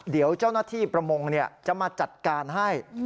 เดี๋ยวเจ้าหน้าที่ประมงจะมาจัดการให้